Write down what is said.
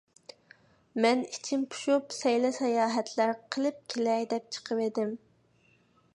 مەن ئىچىم پۇشۇپ، سەيلە - ساياھەتلەر قىلىپ كېلەي دەپ چىقىۋىدىم.